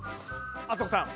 あさこさん。